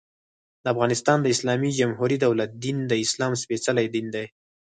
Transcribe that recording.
د افغانستان د اسلامي جمهوري دولت دين، د اسلام سپيڅلی دين دى.